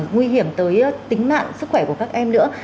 nguy hiểm tới tính mạng sức khỏe của các em nữa